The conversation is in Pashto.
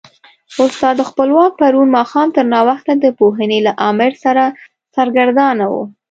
استاد خپلواک پرون ماښام تر ناوخته د پوهنې له امر سره سرګردانه و.